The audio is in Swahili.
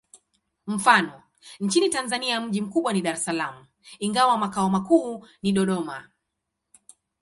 Mfano: nchini Tanzania mji mkubwa ni Dar es Salaam, ingawa makao makuu ni Dodoma.